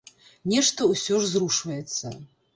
Нешта ўсё ж зрушваецца.